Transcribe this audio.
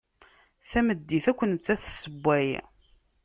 Tameddit akk nettat tessewway.